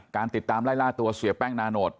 ติดตามไล่ล่าตัวเสียแป้งนาโนต